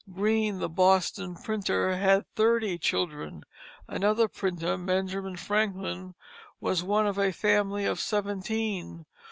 Green, the Boston printer, had thirty children. Another printer, Benjamin Franklin, was one of a family of seventeen.